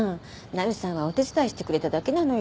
なるさんはお手伝いしてくれただけなのよ。